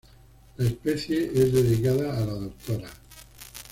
La especie es dedicada a la Dra.